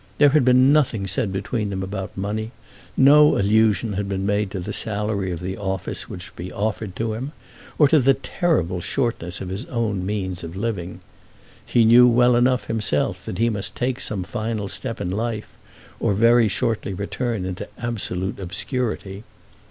There had been nothing said between them about money. No allusion had been made to the salary of the office which would be offered to him, or to the terrible shortness of his own means of living. He knew well enough himself that he must take some final step in life, or very shortly return into absolute obscurity.